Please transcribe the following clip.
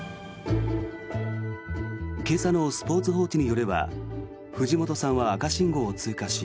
今朝のスポーツ報知によれば藤本さんは赤信号を通過し